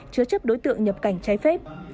chứa chấp đối tượng nhập cảnh trái phép